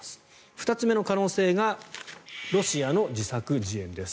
２つ目の可能性がロシアの自作自演です。